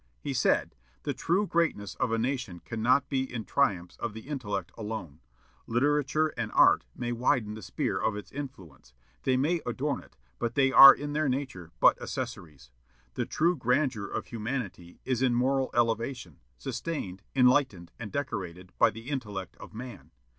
He said: "The true greatness of a nation cannot be in triumphs of the intellect alone. Literature and art may widen the sphere of its influence; they may adorn it; but they are in their nature but accessories. _The true grandeur of humanity is in moral elevation, sustained, enlightened, and decorated by the intellect of man....